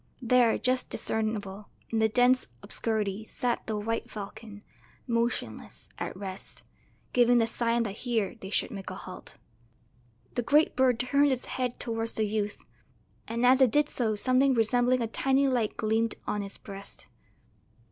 There, just discernible, in the dense obscurity sat the white falcon, motionless, at rest, giving the sign that here they should make a halt. The great bird turned its head towards the youth, and as it did so something resembling a tiny light gleamed on its breast.